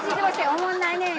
「おもんないねん」